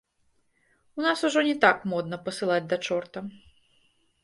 У нас ужо не так модна пасылаць да чорта.